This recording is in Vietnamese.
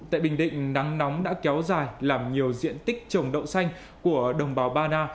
tại bình định nắng nóng đã kéo dài làm nhiều diện tích trồng đậu xanh của đồng bào ba na